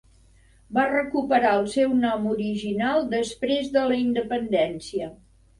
Va recuperar el seu nom original després de la independència.